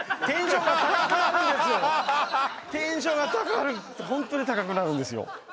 ハハハハハテンションが高ホントに高くなるんですよ